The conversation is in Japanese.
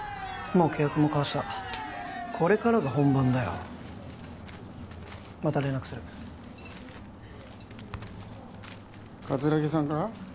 もう契約も交わしたこれからが本番だよまた連絡する桂木さんか？